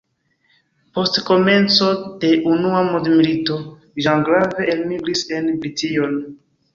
Post komenco de Unua mondmilito Jean Grave, elmigris en Brition.